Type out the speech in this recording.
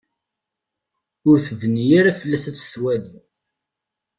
Ur tebni ara fell-as ad tt-twali.